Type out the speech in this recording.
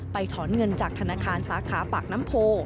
ถอนเงินจากธนาคารสาขาปากน้ำโพ